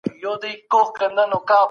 پارلمان نظامي اډه نه جوړوي.